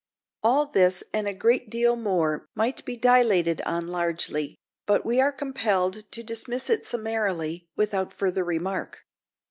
All this and a great deal more might be dilated on largely; but we are compelled to dismiss it summarily, without further remark.